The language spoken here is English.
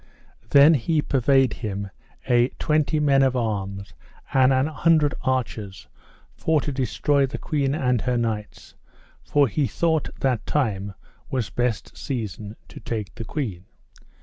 Then he purveyed him a twenty men of arms and an hundred archers for to destroy the queen and her knights, for he thought that time was best season to take the queen.